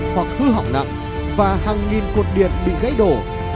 hoặc hư hỏng nặng và hàng nghìn cột điện bị gãy đổ